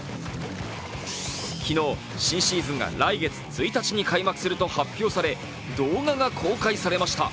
昨日、新シーズンが来月１日に開幕すると発表され動画が公開されました。